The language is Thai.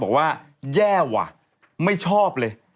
บอกว่าแย่ว่ะไม่ชอบเลย